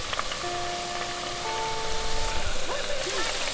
本当に帰んないで！